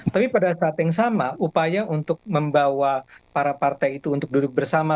tapi pada saat yang sama upaya untuk membawa para partai itu untuk duduk bersama